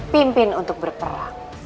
pimpin untuk berperang